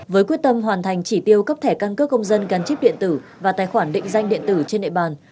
với quyết tâm hoàn thành chỉ tiêu cấp thẻ căn cước công dân gắn chip điện tử và tài khoản định danh điện tử trên nệ bàn